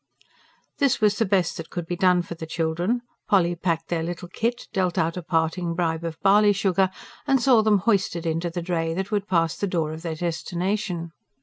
This was the best that could be done for the children. Polly packed their little kit, dealt out a parting bribe of barley sugar, and saw them hoisted into the dray that would pass the door of their destination.